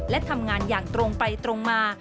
และทำงานอย่างตรงไปตรงมา